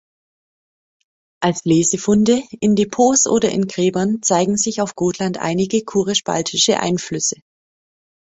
Als Lesefunde, in Depots oder in Gräbern zeigen sich auf Gotland einige kurisch-baltische Einflüsse.